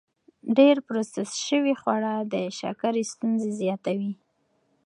ډېر پروسس شوي خواړه د شکرې ستونزې زیاتوي.